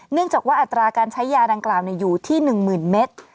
เนื่องจากว่าอัตราการใช้ยาดังกล่าวอยู่ที่๑๐๐๐เมตร